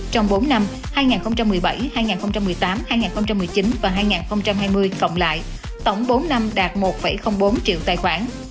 trong bốn năm hai nghìn một mươi bảy hai nghìn một mươi tám hai nghìn một mươi chín và hai nghìn hai mươi cộng lại tổng bốn năm đạt một bốn triệu tài khoản